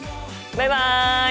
バイバイ！